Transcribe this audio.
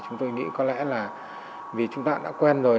chúng tôi nghĩ có lẽ là vì chúng ta đã quen rồi